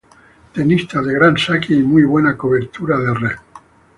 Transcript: Tenista de gran saque y muy buena cobertura de red.